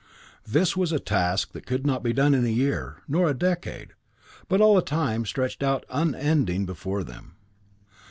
"This was a task that could not be done in a year, nor a decade, but all time stretched out unending before them.